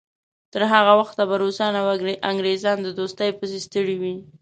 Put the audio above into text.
تر هغه وخته به روسان او انګریزان د دوستۍ پسې ستړي وي.